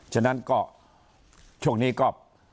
ฉะนั้นก็ช่วงนี้ก็